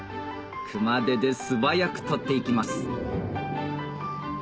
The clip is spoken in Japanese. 熊手で素早く取って行きます